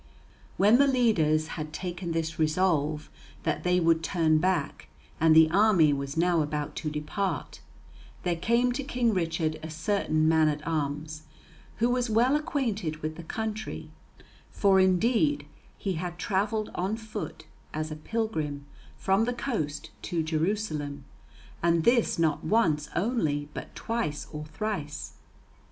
When the leaders had taken this resolve that they would turn back and the army was now about to depart, there came to King Richard a certain man at arms, who was well acquainted with the country, for indeed, he had travelled on foot as a pilgrim from the coast to Jerusalem, and this not once only but twice or thrice.